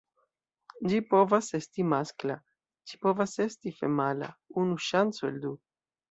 Ĝi povas esti maskla, ĝi povas esti femala: unu ŝanco el du.